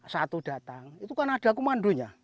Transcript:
satu datang itu kan ada komandonya